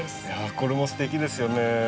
いやこれもすてきですよね。